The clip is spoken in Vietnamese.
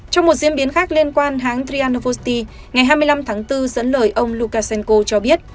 trong một diễn biến khác liên quan hãng dyanovosti ngày hai mươi năm tháng bốn dẫn lời ông lukashenko cho biết